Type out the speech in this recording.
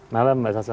malam mbak sasa